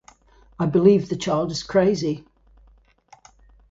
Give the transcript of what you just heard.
I believe the child is crazy.